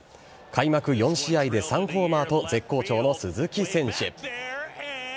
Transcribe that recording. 開幕４試合で３ホーマーと絶好調の鈴木選手。